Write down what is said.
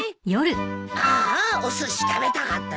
ああおすし食べたかったな。